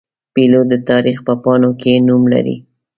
پیلوټ د تاریخ په پاڼو کې نوم لري.